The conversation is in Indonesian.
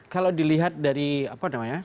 kalau dilihat dari apa namanya